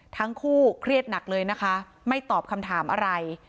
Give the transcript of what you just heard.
ทั้งคู่เครียดหนักเลยนะคะไม่ตอบคำถามอะไร